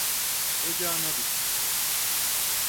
Ocağına düştük…